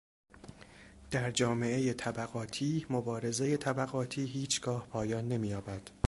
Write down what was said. در جامعهٔ طبقاتی مبارزهٔ طبقاتی هیچگاه پایان نمییابد.